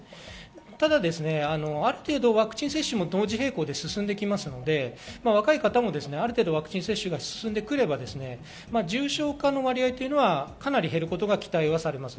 ただ、ある程度ワクチン接種も同時並行で進んできますので、若い方もある程度、接種が進んでくれば重症化の割合はかなり減ることが期待されます。